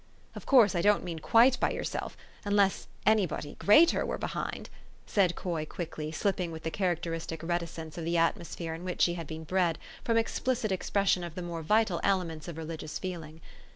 " Of course I don't mean quite by yourself un less Anybody greater were behind," said Coy quickly, slipping with the characteristic reticence of the atmosphere in which she had been bred, from ex plicit expression of the more vital elements of reli gious feeling.